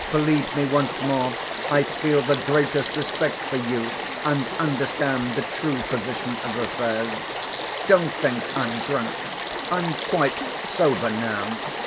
Believe me once more, I feel the greatest respect for you and understand the true position of affairs. Don't think I'm drunk. I'm quite sober now.